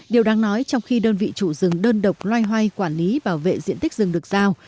điều đáng nói trong khi đơn vị chủ rừng đơn độc loay hoay quản lý bảo vệ diện tích rừng được giao